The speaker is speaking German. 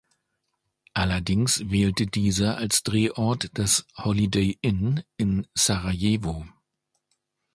Allerdings wählte dieser als Drehort das „Holiday Inn“ in Sarajevo.